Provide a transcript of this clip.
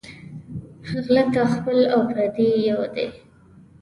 غله ته خپل او پردي یو دى